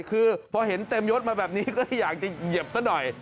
คือพอเห็นเต็มยดมาแบบนี้ก็อยากจะเหยียบซะหน่อย